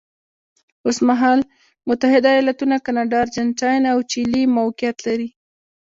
اوس مهال متحده ایالتونه، کاناډا، ارجنټاین او چیلي موقعیت لري.